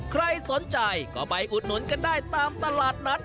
ใครสนใจก็ไปอุดหนุนกันได้ตามตลาดนัด